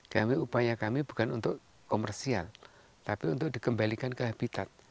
kami upaya kami bukan untuk komersial tapi untuk dikembalikan ke habitat